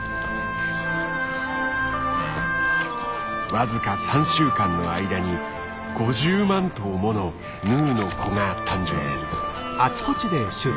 僅か３週間の間に５０万頭ものヌーの子が誕生する。